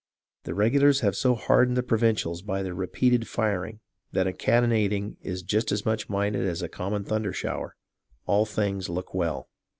The regulars have so hardened the provincials by their repeated firing that a cannonading is just as much minded as a common thunder shower. All things look well.